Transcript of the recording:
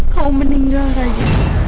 kamu meninggal raja